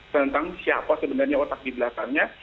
tentang siapa sebenarnya otak di belakangnya